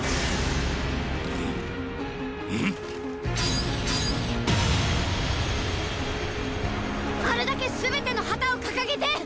⁉ん⁉あるだけ全ての旗をかかげて！